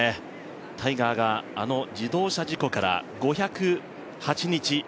タイガーがあの自動車事故から５０８日。